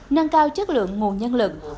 năng cao chất lượng nguồn nhân lực